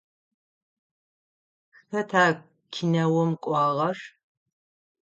Хэта кинэум кӏуагъэр?